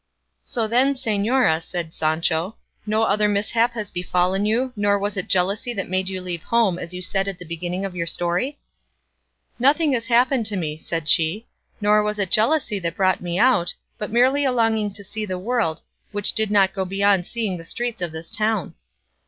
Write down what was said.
"So then, señora," said Sancho, "no other mishap has befallen you, nor was it jealousy that made you leave home, as you said at the beginning of your story?" "Nothing has happened me," said she, "nor was it jealousy that brought me out, but merely a longing to see the world, which did not go beyond seeing the streets of this town."